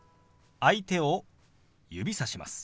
相手を指さします。